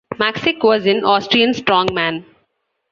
Maxick was an Austrian strongman.